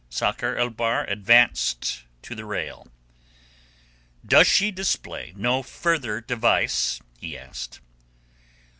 Sakr el Bahr advanced to the rail. "Does she display no further device?" he asked.